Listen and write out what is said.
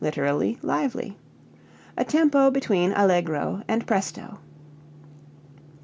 lively) a tempo between allegro and presto. 8.